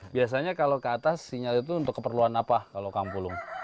biasanya kalau ke atas sinyal itu untuk keperluan apa kalau kang pulung